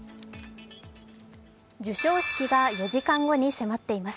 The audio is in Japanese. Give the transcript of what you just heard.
授賞式が４時間後に迫っています。